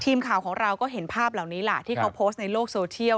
ทีมข่าวของเราก็เห็นภาพเหล่านี้ล่ะที่เขาโพสต์ในโลกโซเชียล